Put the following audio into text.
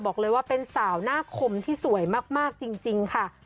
บอกเลยว่าเป็นสาวหน้าคมที่สวยมากจริงค่ะ